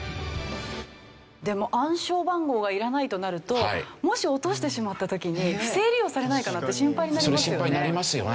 でも暗証番号がいらないとなるともし落としてしまった時に不正利用されないかなって心配になりますよね。